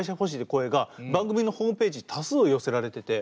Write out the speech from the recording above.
声が番組のホームページに多数寄せられてて。